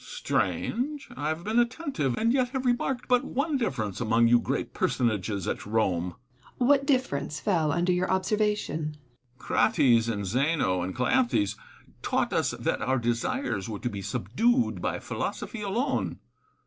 Epictetiis. Strange ! I have been attentive, and yet have remarked but one difference among you great personages at Rome. Seneca. What difference fell under your observation 1 Epictetus. Crales and Zeno and Cleanthes taught us that our desires were to be subdued by philosophy alone.